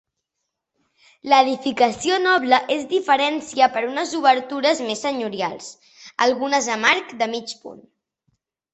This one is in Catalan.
L'edificació noble es diferencia per unes obertures més senyorials, algunes amb arc de mig punt.